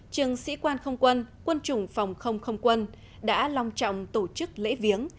trường sĩ quan không quân quân chủng phòng không không quân đã long trọng tổ chức lễ viếng